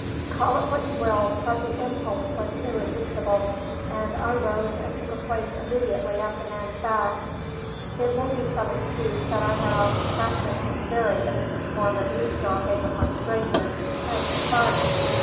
Call it what you will, but the impulse was irresistible, and I rose and took a place immediately at the man's back. It may be some excuse that I had often practised this very innocent form of eavesdropping upon strangers, and for fun.